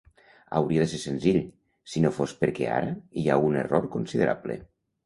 Hauria de ser senzill, si no fos perquè ara hi ha un error considerable.